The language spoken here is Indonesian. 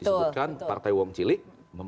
disebutkan partai wong cilik